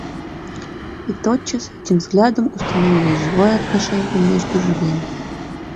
И тотчас этим взглядом установилось живое отношение между живыми.